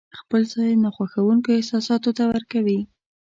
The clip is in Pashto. خپل ځای ناخوښونکو احساساتو ته ورکوي.